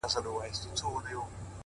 سيدې يې نورو دې څيښلي او اوبه پاتې دي;